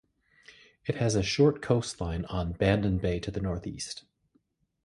It has a short coastline on Bandon Bay to the northeast.